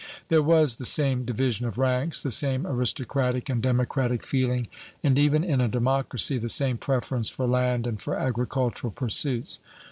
There was the same division of ranks, the same aristocratic and democratic feeling, and, even in a democracy, the same preference for land and for agricultural pursuits.